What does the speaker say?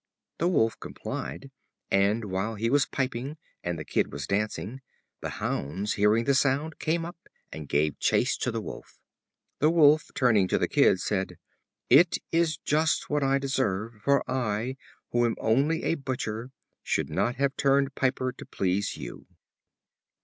The Wolf complied, and while he was piping, and the Kid was dancing, the hounds, hearing the sound, came up and gave chase to the Wolf. The Wolf, turning to the Kid, said: "It is just what I deserve; for I, who am only a butcher, should not have turned piper to please you."